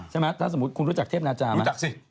ใช่ไหมถ้าสมมุติคุณรู้จักเทพนาจารรู้จักสิ